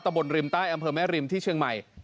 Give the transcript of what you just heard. บนริมใต้อำเภอแม่ริมที่เชียงใหม่